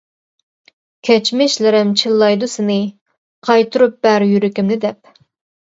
كەچمىشلىرىم چىللايدۇ سىنى، قايتۇرۇپ بەر يۈرىكىمنى دەپ.